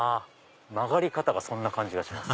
曲がり方がそんな感じがします。